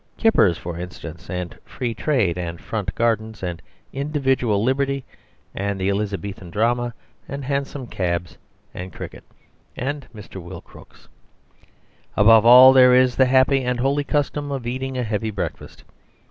Kippers, for instance, and Free Trade, and front gardens, and individual liberty, and the Elizabethan drama, and hansom cabs, and cricket, and Mr. Will Crooks. Above all, there is the happy and holy custom of eating a heavy breakfast.